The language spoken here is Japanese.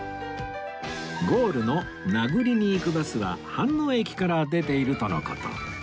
ゴールの名栗に行くバスは飯能駅から出ているとの事